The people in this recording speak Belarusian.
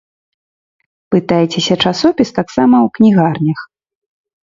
Пытайцеся часопіс таксама ў кнігарнях.